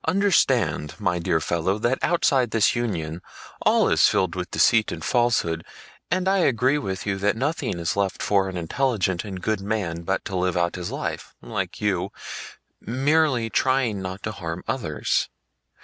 "Understand, my dear fellow, that outside this union all is filled with deceit and falsehood and I agree with you that nothing is left for an intelligent and good man but to live out his life, like you, merely trying not to harm others.